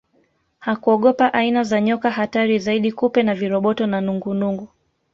Hakuogopa aina za nyoka hatari zaidi kupe na viroboto na nungunungu